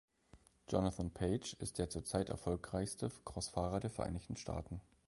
Jonathan Page ist der zurzeit erfolgreichste Cross-Fahrer der Vereinigten Staaten.